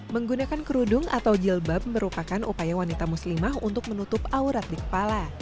menggunakan kerudung atau jilbab merupakan upaya wanita muslimah untuk menutup aurat di kepala